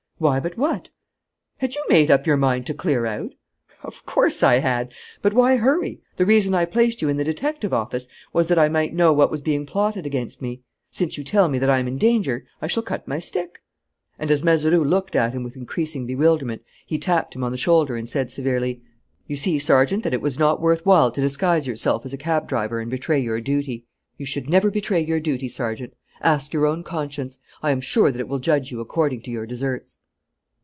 "Why but what?" "Had you made up your mind to clear out?" "Of course I had! But why hurry? The reason I placed you in the detective office was that I might know what was being plotted against me. Since you tell me that I'm in danger, I shall cut my stick." And, as Mazeroux looked at him with increasing bewilderment, he tapped him on the shoulder and said severely: "You see, Sergeant, that it was not worth while to disguise yourself as a cab driver and betray your duty. You should never betray your duty, Sergeant. Ask your own conscience: I am sure that it will judge you according to your deserts."